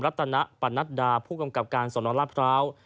ลับตนะปรันนัทดาผู้กำกับการสนลพร้าว